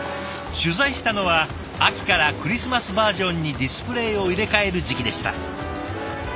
取材したのは秋からクリスマスバージョンにディスプレーを入れ替える時期でした。